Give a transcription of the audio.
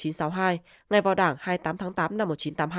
ngày vào đảng hai mươi tám tháng tám năm một nghìn chín trăm tám mươi hai